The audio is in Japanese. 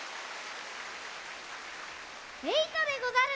えいとでござる！